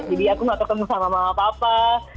jadi aku gak ketemu sama mama papa